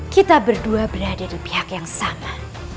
kita berdua berada di pihak yang sama